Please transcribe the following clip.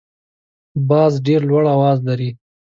باز ډیر لوړ اواز لري